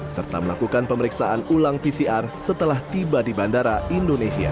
serta melakukan pemeriksaan ulang pcr setelah tiba di bandara indonesia